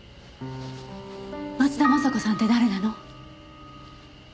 松田雅子さんって誰なの？